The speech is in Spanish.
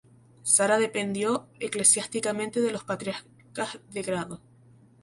Zara dependió eclesiásticamente de los patriarcas de Grado.